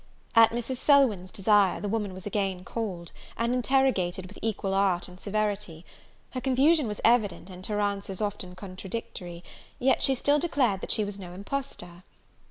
At Mrs. Selwyn's desire, the woman was again called, and interrogated with equal art and severity; her confusion was evident, and her answers often contradictory; yet she still declared she was no impostor.